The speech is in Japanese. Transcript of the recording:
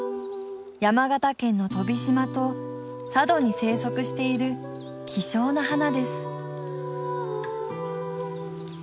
山形県の飛島と佐渡に生息している希少な花です。